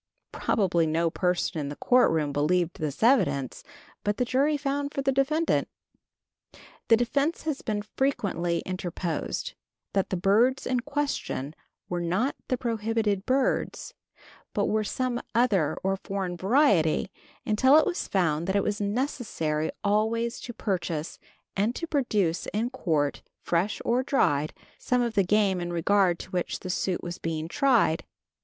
Probably no person in the court room believed this evidence, but the jury found for the defendant. The defense has been frequently interposed, that the birds in question were not the prohibited birds, but were some other or foreign variety, until it was found that it was necessary always to purchase and to produce in court, fresh or dried, some of the game in regard to which the suit was being tried.